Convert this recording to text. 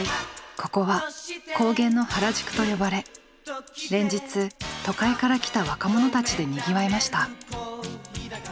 ここは「高原の原宿」と呼ばれ連日都会から来た若者たちでにぎわいました。